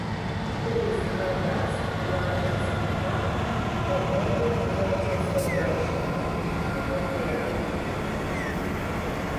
It is Nampa's largest park and many community celebrations are held there.